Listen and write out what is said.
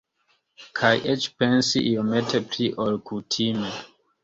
Kaj eĉ pensi iomete pli ol kutime.